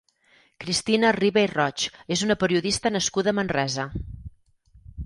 Cristina Riba i Roig és una periodista nascuda a Manresa.